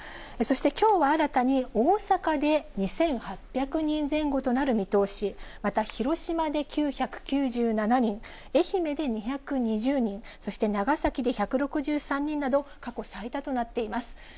そしてきょうは新たに、大阪で２８００人前後となる見通し、また広島で９９７人、愛媛で２２０人、そして長崎で１６３人など、過去最多となっています。